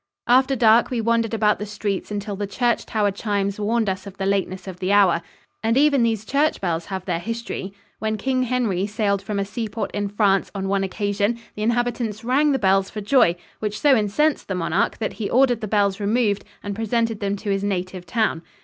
After dark we wandered about the streets until the church tower chimes warned us of the lateness of the hour. And even these church bells have their history. When King Henry sailed from a seaport in France on one occasion the inhabitants rang the bells for joy, which so incensed the monarch that he ordered the bells removed and presented them to his native town.